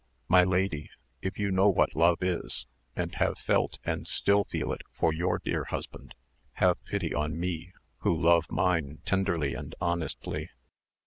My lady, if you know what love is, and have felt and still feel it for your dear husband, have pity on me who love mine tenderly and honestly."